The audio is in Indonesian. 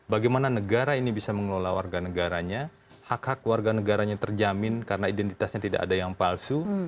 bagaimana negara ini bisa mengelola warga negaranya hak hak warga negaranya terjamin karena identitasnya tidak ada yang palsu